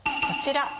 こちら。